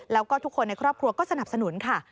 แล้วก็ทุกคนในครอบครัวก็สนับสนุนค่ะ